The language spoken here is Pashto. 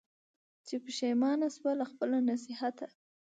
چي پښېمانه سوه له خپله نصیحته